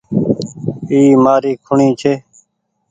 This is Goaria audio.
اي مآري کوڻي ڇي۔